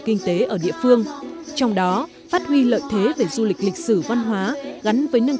kinh tế ở địa phương trong đó phát huy lợi thế về du lịch lịch sử văn hóa gắn với nâng